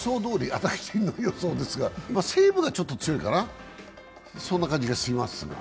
私の予想ですが西武がちょっと強いかな、そんな感じがしますが。